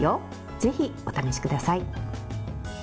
ぜひ、お試しください。